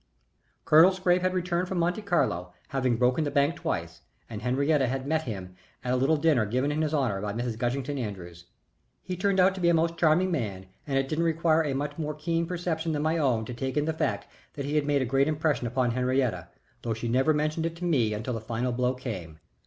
Colonel Scrappe had returned from Monte Carlo, having broken the bank twice, and Henriette had met him at a little dinner given in his honor by Mrs. Gushington Andrews. He turned out to be a most charming man, and it didn't require a much more keen perception than my own to take in the fact that he had made a great impression upon Henriette, though she never mentioned it to me until the final blow came.